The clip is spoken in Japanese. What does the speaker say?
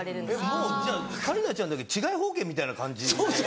もうじゃあ桂里奈ちゃんだけ治外法権みたいな感じでいたの？